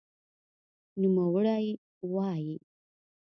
نوموړی وایي،